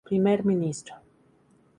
Primer ministro.